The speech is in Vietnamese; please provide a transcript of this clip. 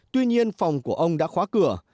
tuy nhiên phòng của ông đã khóa cửa